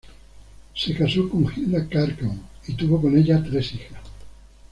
Se casó con Hilda Cárcamo y tuvo con ella tres hijas.